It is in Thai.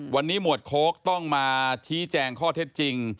วันนี้หมวดโค้กต้องมาชี้แจงข้อเท็จจริง